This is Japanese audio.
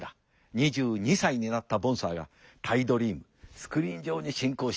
２２歳になったボンサーがタイドリームスクリーン上に進行していく。